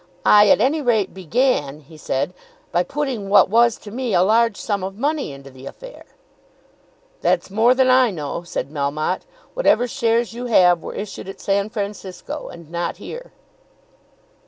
"I, at any rate, began," he said, "by putting what was to me a large sum of money into the affair." "That's more than I know," said Melmotte. "Whatever shares you have, were issued at San Francisco, and not here."